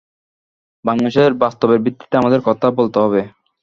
বাংলাদেশের বাস্তবতার ভিত্তিতে আমাদের কথা বলতে হবে।